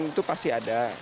itu pasti ada